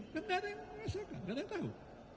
kan tidak ada yang merasakan tidak ada yang tahu